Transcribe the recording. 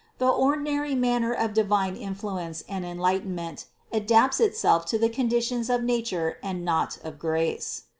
The ordinary manner of divine in fluence and enlightenment adapts itself to the conditions of nature and not of grace.